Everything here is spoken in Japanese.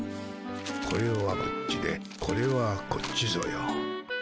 これはこっちでこれはこっちぞよ。